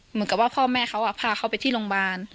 เหมือนกับว่าพ่อแม่เขาพาเขาไปที่โรงพยาบาล